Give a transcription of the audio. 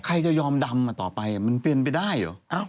ใครจะยอมดำต่อไปมันเป็นไปได้เหรอ